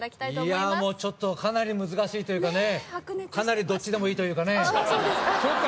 いやもうちょっとかなり難しいというかねかなりどっちでもいいというかね。